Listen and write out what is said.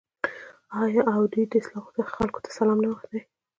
آیا او د دوی خلکو ته سلام نه دی؟